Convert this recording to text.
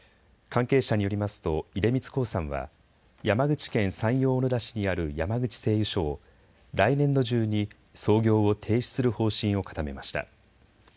関係者によりますと出光興産は山口県山陽小野田市にある山口製油所を来年度中に操業を停止する方針を固めました。